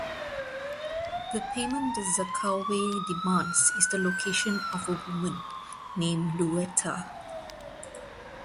The payment that Zakalwe demands is the location of a woman, named Livueta.